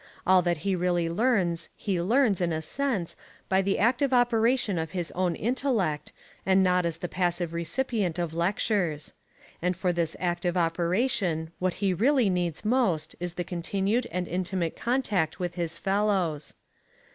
All that he really learns he learns, in a sense, by the active operation of his own intellect and not as the passive recipient of lectures. And for this active operation what he really needs most is the continued and intimate contact with his fellows.